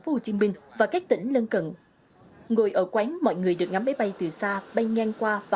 phố hồ chí minh và các tỉnh lân cận ngồi ở quán mọi người được ngắm máy bay từ xa bay ngang qua và